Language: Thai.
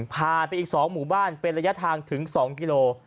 ผ่านไปอีก๒หมู่บ้านเป็นระยะทางถึง๒กิโล